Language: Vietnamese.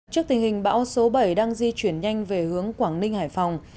trước tình hình bão số bảy đang di chuyển nhanh về hướng quảng ninh hải phòng